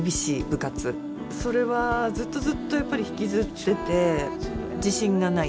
それはずっとずっとやっぱり引きずってて自信がない。